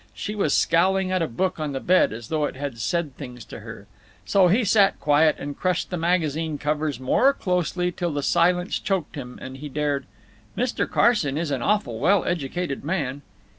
She was scowling at a book on the bed as though it had said things to her. So he sat quiet and crushed the magazine covers more closely till the silence choked him, and he dared, "Mr. Carson is an awful well educated man."